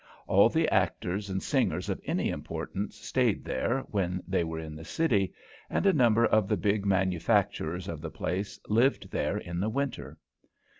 All the actors and singers of any importance stayed there when they were in the city, and a number of the big manufacturers of the place lived there in the winter.